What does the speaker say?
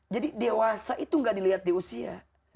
jadi dewasa itu nggak dilihat di usia